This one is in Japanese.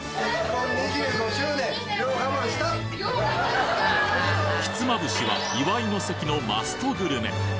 結婚２５周年、ひつまぶしは祝いの席のマストグルメ。